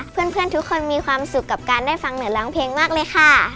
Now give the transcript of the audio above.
เพื่อนทุกคนมีความสุขกับการได้ฟังหนูร้องเพลงมากเลยค่ะ